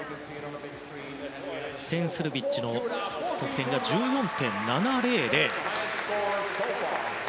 テン・スルビッチの得点は１４．７００。